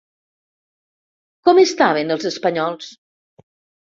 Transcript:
Com estaven els espanyols?